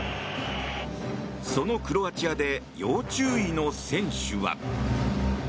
そのクロアチアで要注意の選手は。